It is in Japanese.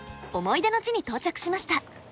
思い出の地に到着しました。